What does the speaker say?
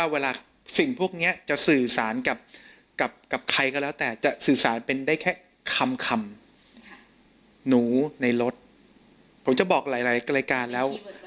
ว่านี้จะสื่อสารกับใครก็แล้วแต่สื่อสารได้แค่คำ